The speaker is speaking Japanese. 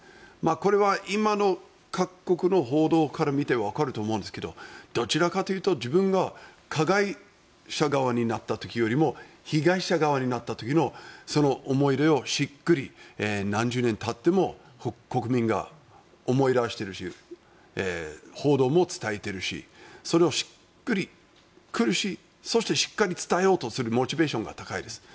これは今の各国の報道から見てわかるとおもうんですがどちらかというと自分が加害者側になった時よりも被害者側になった時の思い入れを何十年たっても国民が思い出しているし報道も伝えているしそれがしっくり来るしそしてしっかり伝えようとするモチベーションが高いです。